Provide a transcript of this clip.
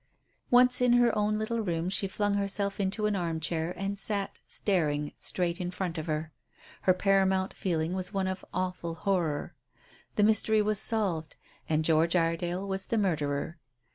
Once in her own little room she flung herself into an arm chair and sat staring straight in front of her. Her paramount feeling was one of awful horror. The mystery was solved, and George Iredale was the murderer.